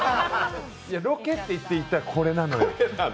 ロケっていって行ったらこれなのよ。